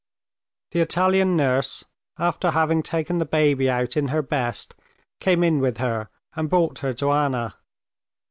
The Italian nurse, after having taken the baby out in her best, came in with her, and brought her to Anna.